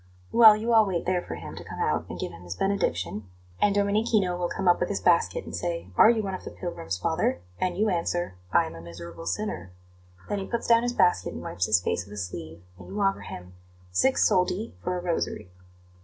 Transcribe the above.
Well, you all wait there for him to come out and give his benediction, and Domenichino will come up with his basket and say: 'Are you one of the pilgrims, father?' and you answer: 'I am a miserable sinner.' Then he puts down his basket and wipes his face with his sleeve, and you offer him six soldi for a rosary."